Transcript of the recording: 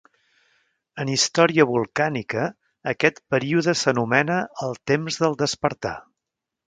En història volcànica, aquest període s'anomena "el temps del despertar".